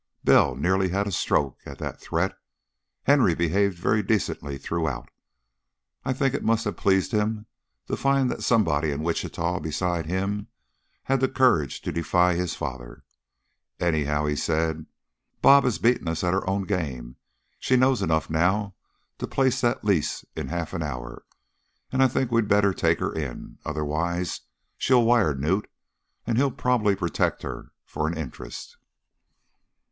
Bell nearly had a stroke at that threat. Henry behaved very decently throughout. I think it must have pleased him to find that somebody in Wichita, besides him, had the courage to defy his father; anyhow, he said, '"Bob" has beaten us at our own game. She knows enough now to place that lease in half an hour, and I think we'd better take her in. Otherwise she'll wire Knute, and he'll probably protect her for an interest.'